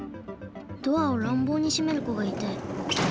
ドアをらんぼうにしめる子がいて。